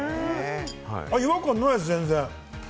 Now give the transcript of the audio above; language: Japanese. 違和感ないですね、全然。